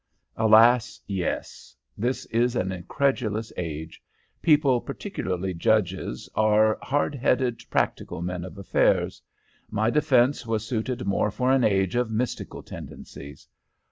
"Alas, yes! This is an incredulous age. People, particularly judges, are hard headed practical men of affairs. My defence was suited more for an age of mystical tendencies.